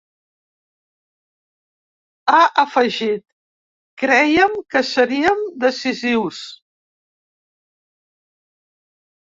Ha afegit: Crèiem que seríem decisius.